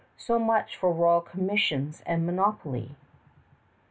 So much for royal commissions and monopoly!